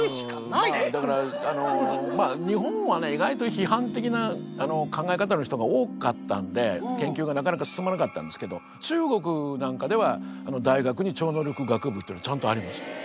日本はね意外と批判的な考え方の人が多かったんで研究がなかなか進まなかったんですけど中国なんかでは大学に超能力学部というのちゃんとあります。